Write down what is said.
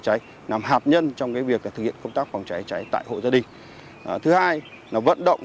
cháy nằm hạt nhân trong việc thực hiện công tác phòng cháy cháy tại hộ gia đình thứ hai là vận động